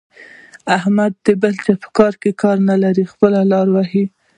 احمد د بل چا په کار کې کار نه لري؛ خپله لاره وهي.